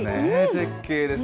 絶景です。